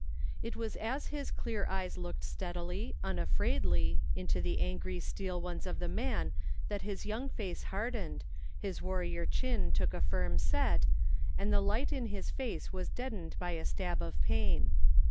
It was as his clear eyes looked steadily, imafraidly, into the angry steel ones of the man that his young face hardened, his warrior chin took a firm set, and the light in his face was deadened by a stab of pain.